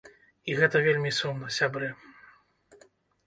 І гэта вельмі сумна, сябры.